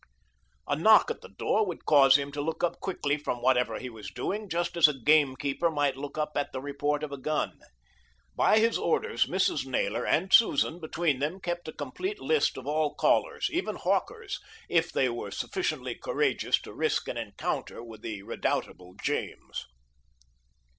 A knock at the door would cause him to look up quickly from whatever he was doing, just as a gamekeeper might look up at the report of a gun. By his orders Mrs. Naylor and Susan between them kept a complete list of all callers, even hawkers, if they were sufficiently courageous to risk an encounter with the redoubtable James.